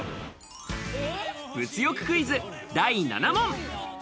物欲クイズ第７問。